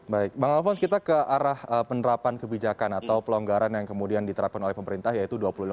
baik bang alfons kita ke arah penerapan kebijakan atau pelonggaran yang kemudian diterapkan oleh pemerintah yaitu dua puluh delapan